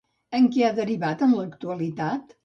En què ha derivat, en l'actualitat?